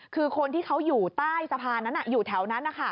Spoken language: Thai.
คือคนที่เขาอยู่ใต้สะพานนั้นอยู่แถวนั้น